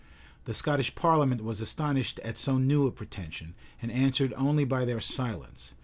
The Scottish parliament was astonished at so new a pretension, and answered only by their silence.